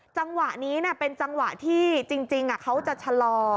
จังหวะนี้เนี้ยเป็นจังหวะที่จริงจริงอ่ะเขาจะชะลอ